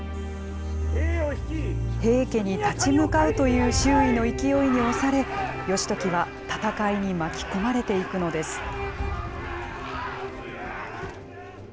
平家に立ち向かうという周囲の勢いに押され、義時は戦いに巻き込まれていくのです。